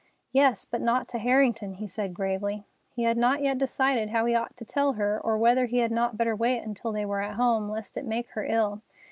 "Yes, but not to Harrington," he said gravely. He had not yet decided how he ought to tell her or whether he had not better wait until they were at home, lest it make her ill.